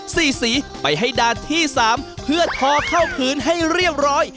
สี่สีไปให้ดาดที่สามเพื่อทอเข้าผืนให้เรียบร้อย